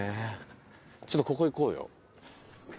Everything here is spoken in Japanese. ちょっとここ行こうよ。